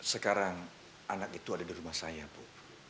sekarang anak itu ada di rumah saya bu